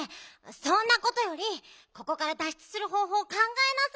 そんなことよりここからだっしゅつするほうほうかんがえなさいよ。